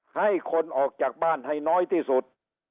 ให้คนออกจากบ้านให้น้อยที่สุด